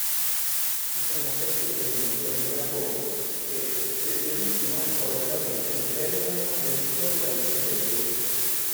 Ci sono sette elementi obbligatori che se eseguiti non correttamente determinano deduzioni dal punteggio.